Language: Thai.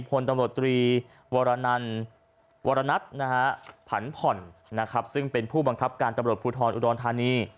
พลตำรวจตรีวรนันวรณัทนะฮะผันผ่อนนะครับซึ่งเป็นผู้บังคับการตำรวจภูทรอุดรธานี